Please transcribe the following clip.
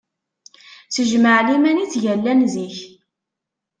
S jmaɛliman i ttgallan zik.